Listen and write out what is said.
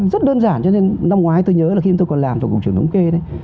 rất đơn giản cho nên năm ngoái tôi nhớ là khi tôi còn làm tôi cũng trưởng đống kê đấy